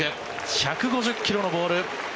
１５０ｋｍのボール。